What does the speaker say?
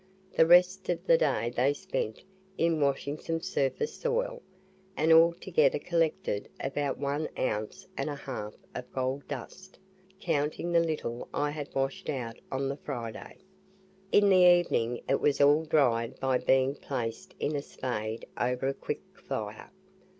The rest of the day they spent in washing some surface soil, and altogether collected about I ounce and a half of gold dust, counting the little I had washed out on the Friday. In the evening it was all dried by being placed in a spade over a quick fire.